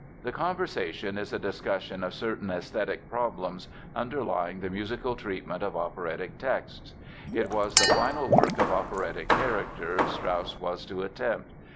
The "conversation" is a discussion of certain aesthetic problems underlying the musical treatment of operatic texts. It was the final work of operatic character Strauss was to attempt.